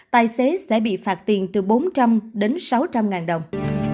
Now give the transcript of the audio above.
tài xế sẽ bị phạt tiền từ bốn trăm linh sáu trăm linh đồng